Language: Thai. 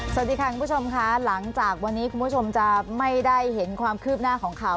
สวัสดีค่ะคุณผู้ชมค่ะหลังจากวันนี้คุณผู้ชมจะไม่ได้เห็นความคืบหน้าของข่าว